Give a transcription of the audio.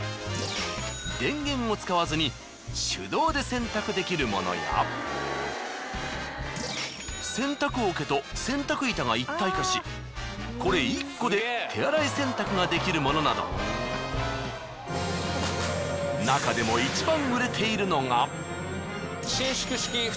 電源を使わずに手動で洗濯できるものや洗濯桶と洗濯板が一体化しこれ１個で手洗い洗濯ができるものなどなかでも一番売れているのが。